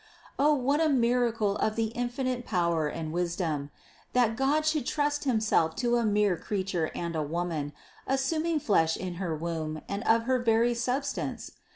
O what a miracle of the infinite power and wisdom! That God should trust Himself to a mere creature and a woman, assum ing flesh in her womb and of her very substance!